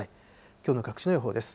きょうの各地の予報です。